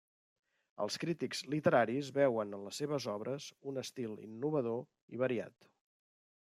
Els crítics literaris veuen en les seves obres un estil innovador i variat.